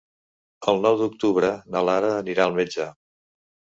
El nou d'octubre na Lara anirà al metge.